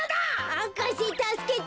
博士たすけて。